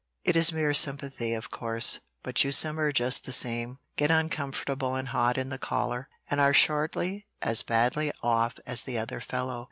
It is mere sympathy, of course, but you simmer just the same, get uncomfortable and hot in the collar, and are shortly as badly off as the other fellow.